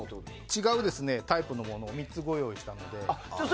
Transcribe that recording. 違うタイプのものを３つご用意したので。